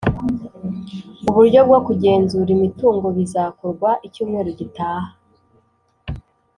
uburyo bwo kugenzura imitungo bizakorwa icyumweru gitaha